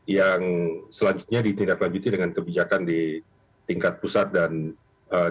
yang selanjutnya ditindaklanjuti dengan kebijakan di tingkat pusat dan daerah